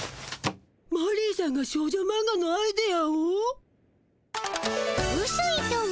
マリーさんが少女マンガのアイデアを？